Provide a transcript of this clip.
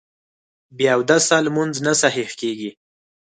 بې اودسه لمونځ نه صحیح کېږي